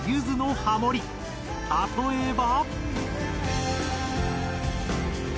例えば。